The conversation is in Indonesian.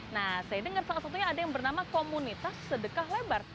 nah saya dengar salah satunya ada yang bernama komunitas sedekah lebar